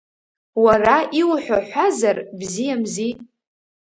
Уара иуҳәо ҳәазар, бзиамзи…